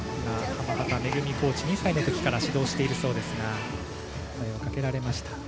コーチ２歳から指導しているそうですが声をかけられました。